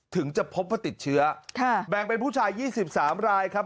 ถึงจะพบว่าติดเชื้อแบ่งเป็นผู้ชาย๒๓รายครับ